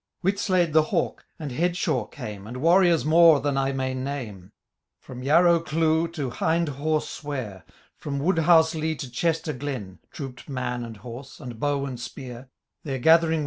Whitslade the Hawk, and Headshaw came. And warriors more than I may name ; From Yarrow cleugh to Hindhaugh swair, From Woodhouselie to Chester glen, Trooped man and horse, and bow and spear ; Their gathering word was Bellenden.